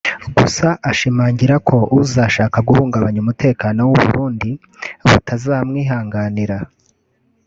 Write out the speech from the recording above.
gusa ashimangira ko uzashaka guhungabanya umutekano w’u Burundi butazamwihanganira